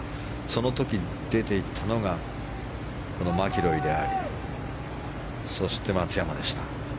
その時、出ていったのがマキロイでありそして松山でした。